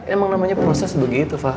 emang namanya proses begitu fah